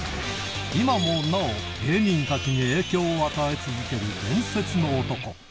今もなお、芸人たちに影響を与え続ける伝説の男。